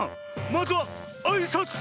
まずはあいさつ！